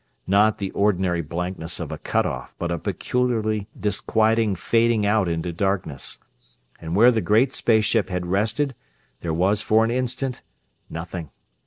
Not the ordinary blankness of a cut off, but a peculiarly disquieting fading out into darkness. And where the great space ship had rested there was for an instant nothing.